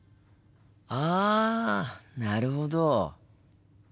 あなるほど。